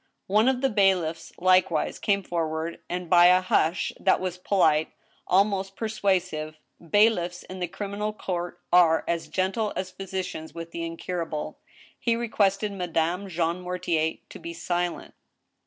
One of the bailiffs likewise came forward, and by a kush that was polite, almost persuasive (bailiffs in the criminal court are as gentle as physicians .with, the incurable), he requested Madame Jean Mortier to be silent.